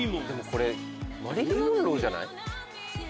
これマリリン・モンローじゃない？